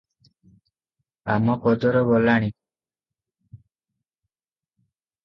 ଆମପଦର ଗଲାଣି?